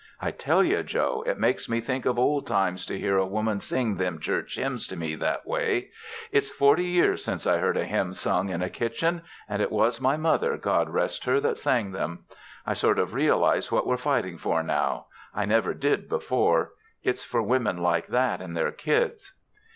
"I tell you, Joe, it makes me think of old times to hear a woman sing them church hymns to me that way. It's forty years since I heard a hymn sung in a kitchen, and it was my mother, God rest her, that sang them. I sort of realize what we're fighting for now, and I never did before. It's for women like that and their kids.